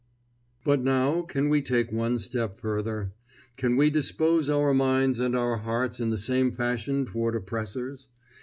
But now can we take one step further? Can we dispose our minds and our hearts in the same fashion toward oppressors?